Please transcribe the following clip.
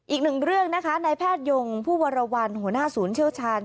อีกหนึ่งเรื่องนะคะในแพทยงผู้วรวรรณหัวหน้าศูนย์เชี่ยวชาญ